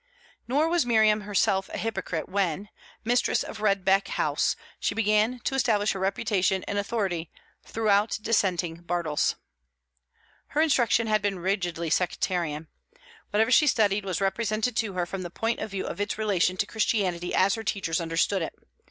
Nor was Miriam herself a hypocrite when, mistress of Redbeck House, she began to establish her reputation and authority throughout dissenting Bartles. Her instruction had been rigidly sectarian. Whatever she studied was represented to her from the point of view of its relation to Christianity as her teachers understood it.